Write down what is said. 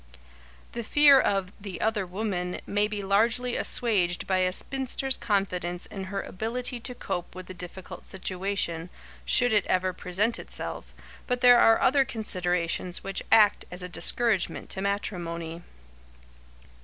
The fear of "the other woman" may be largely assuaged by a spinster's confidence in her ability to cope with the difficult situation, should it ever present itself, but there are other considerations which act as a discouragement to matrimony.